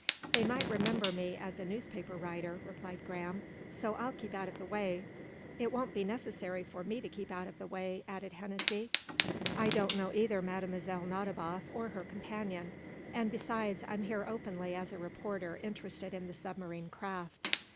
"They might remember me as a newspaper writer," replied Graham. "So I'll keep out of the way." "It won't be necessary for me to keep out of the way," added Hennessy. "I don't know either Mlle. Nadiboff or her companion; and, besides, I'm here openly as a reporter interested in the submarine craft."